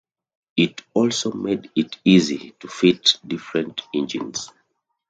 It also made it easy to fit different engines.